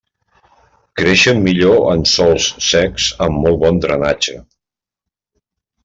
Creixen millor en sòls secs amb molt bon drenatge.